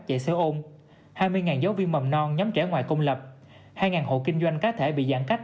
giáo ôn hai mươi giáo viên mầm non nhóm trẻ ngoài công lập hai hộ kinh doanh cá thể bị giãn cách